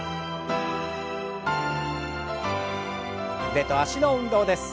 腕と脚の運動です。